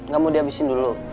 gak mau dihabisin dulu